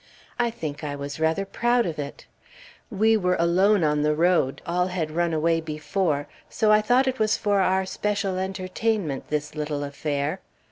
I think I was rather proud of it. We were alone on the road, all had run away before, so I thought it was for our especial entertainment, this little affair.